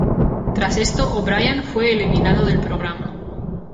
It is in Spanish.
Tras esto, O'Brian fue eliminado del programa.